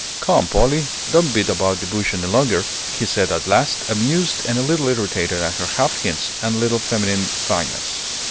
"Come, Polly, don't beat about the bush any longer," he said at last, amused and a little irritated at her half hints and little feminine finesses.